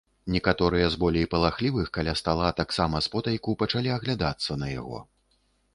Некаторыя з болей палахлівых каля стала таксама спотайку пачалі аглядацца па яго.